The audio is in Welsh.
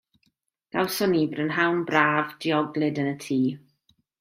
Gawson ni brynhawn braf, dioglyd yn y tŷ.